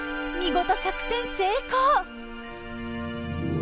見事作戦成功。